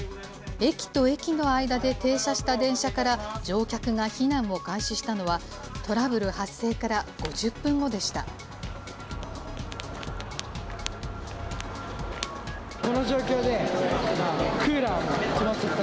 駅と駅の間で停車した電車から乗客が避難を開始したのは、トラブル発生から５０分後でした。